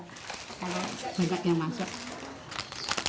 kalau banyak yang masuk